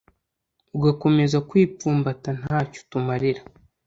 ugakomeza kwipfumbata, nta cyo utumarira